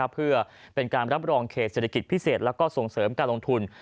เพื่อเป็นการรับรองเขตเศรษฐกิจพิเศษและส่งเสริมการลงทุน